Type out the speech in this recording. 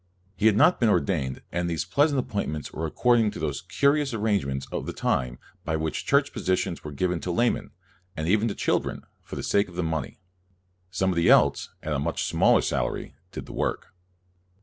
He had not been ordained, and these pleasant appoint ments were according to those curious ar JOHX CALVIX CALVIN 99 rangements of the time by which church positions were given to laymen, and even to children, for the sake of the money. Somebody else, at a much smaller salary, did the work.